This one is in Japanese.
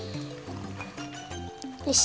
よし。